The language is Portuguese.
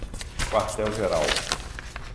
Quartel Geral